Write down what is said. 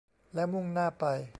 แล้วมุ่งหน้าไป